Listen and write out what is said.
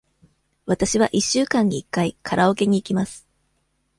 わたしは一週間に一回カラオケに行きます。